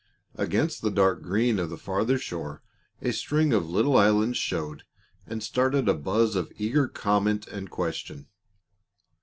Against the dark green of the farther shore a string of little islands showed and started a buzz of eager comment and question.